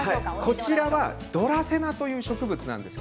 ドラセナという植物です。